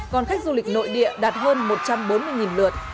còn khách du lịch nội địa đạt hơn một trăm bốn mươi lượt